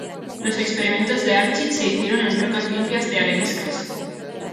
Los experimentos de Archie se hicieron en rocas limpias de areniscas.